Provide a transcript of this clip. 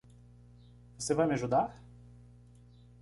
Você vai me ajudar?